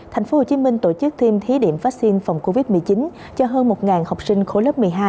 tp hcm tổ chức thêm thí điểm vaccine phòng covid một mươi chín cho hơn một học sinh khối lớp một mươi hai